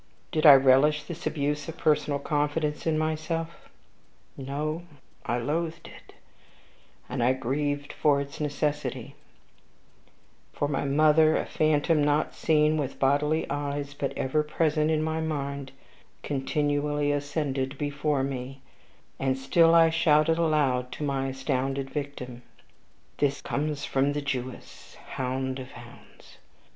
Did I relish this abuse of personal confidence in myself? No I loathed it, and I grieved for its necessity; but my mother, a phantom not seen with bodily eyes, but ever present to my mind, continually ascended before me; and still I shouted aloud to my astounded victim, 'This comes from the Jewess! Hound of hounds!